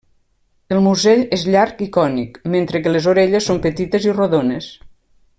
El musell és llarg i cònic, mentre que les orelles són petites i rodones.